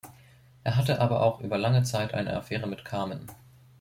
Er hatte aber auch über lange Zeit eine Affäre mit Carmen.